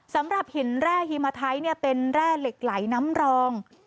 สำหรับหินแร่ฮิมาไทยเป็นแร่เหล็กไหลน้ำรอง